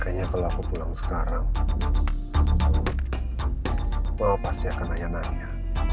kayaknya kalau aku pulang sekarang bahwa pasti akan nanya naria